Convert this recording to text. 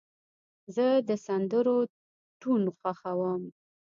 زه د سندرو ټون خوښوم.